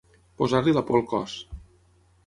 Posar-li la por al cos.